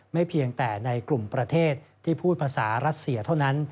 เพียงแต่ในกลุ่มประเทศที่พูดภาษารัสเซียเท่านั้น